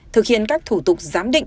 thực hiện các thủ tục giám định